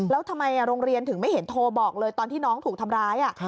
แล้วทำไมโรงเรียนถึงไม่เห็นโทรบอกเลยตอนที่น้องถูกทำร้าย